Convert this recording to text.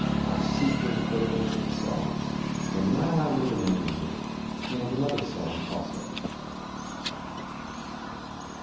I seek your favour with a song. And now I will remember you and another song also.